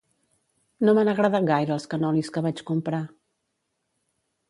No m'han agradat gaire els canolis que vaig comprar